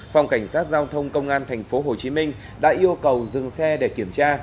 phòng cảnh sát giao thông công an thành phố hồ chí minh đã yêu cầu dừng xe để kiểm tra